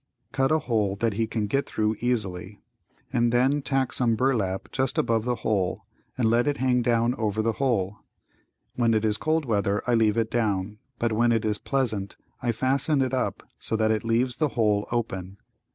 Cut a hole that he can get thru easily and then tack some burlap just above the hole and let it hang down over the hole. When it is cold weather I leave it down, but when it is pleasant I fasten it up so that it leaves the hole open.